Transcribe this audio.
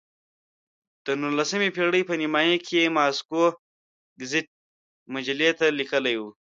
د نولسمې پېړۍ په نیمایي کې یې ماسکو ګزیت مجلې ته لیکلي وو.